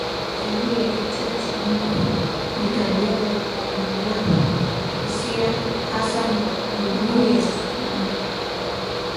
Dalili ya kichaa cha mbwa ni tabia ya kupungua hisia hasa miguu ya nyuma